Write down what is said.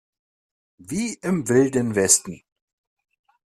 Wie im Wilden Westen!